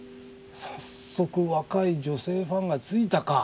早速若い女性ファンがついたか。